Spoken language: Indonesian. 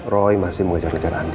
roy masih mengajak ajak andi